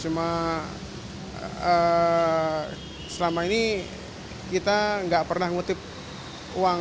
cuma selama ini kita nggak pernah ngutip uang